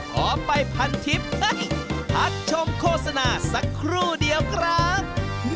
ขอไปพันทิพย์พักชมโฆษณาสักครู่เดียวครับ